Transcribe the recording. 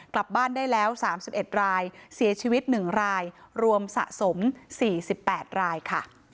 กลับบ้านได้แล้ว๓๑รายเสียชีวิต๑รายรวมสะสม๔๘รายค่ะ